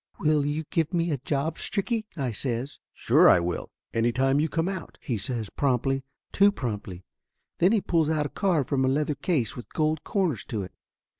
"Will you give me a job, Stricky?" I says. "Sure I will any time you come out," he 'says promptly. Too promptly. Then he pulls out a card from a leather case with gold corners to it.